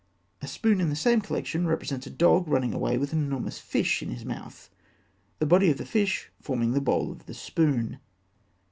A spoon in the same collection represents a dog running away with an enormous fish in his mouth (fig. 246), the body of the fish forming the bowl of the spoon.